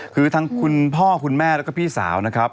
คือทั้งคุณพ่อคุณแม่แล้วก็พี่สาวนะครับ